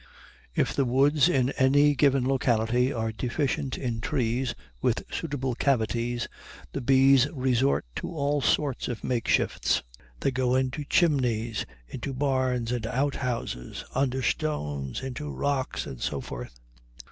If the woods in any given locality are deficient in trees with suitable cavities, the bees resort to all sorts of makeshifts; they go into chimneys, into barns and out houses, under stones, into rocks, and so forth.